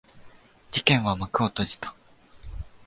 事件は幕を閉じた。